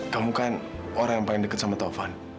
kamu kan orang yang paling dekat sama taufan